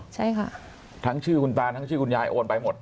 ใช่ค่ะทั้งชื่อคุณตาทั้งชื่อคุณยายโอนไปหมด